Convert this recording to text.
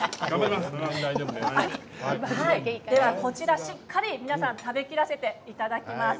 こちらをしっかり食べきらせていただきます。